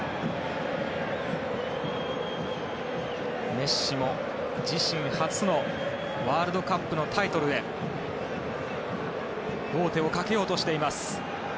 メッシも自身初のワールドカップのタイトルへ王手をかけようとしています。